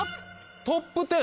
トップ１０